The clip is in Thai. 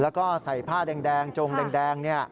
แล้วก็ใส่ผ้าแดงจงแดง